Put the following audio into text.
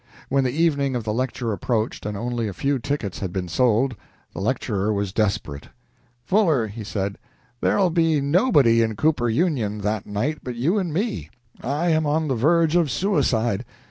When the evening of the lecture approached and only a few tickets had been sold, the lecturer was desperate. "Fuller," he said, "there'll be nobody in Cooper Union that night but you and me. I am on the verge of suicide.